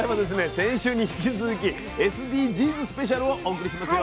先週に引き続きＳＤＧｓスペシャルをお送りしますよ。